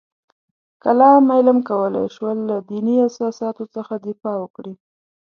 کلام علم کولای شول له دیني اساساتو څخه دفاع وکړي.